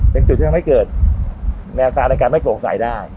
เป็นจุดที่จะไม่เกิดแม้อักษาในการไม่โปร่งสายได้